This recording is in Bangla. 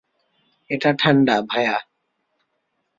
এটা ঠান্ডা, ভায়া।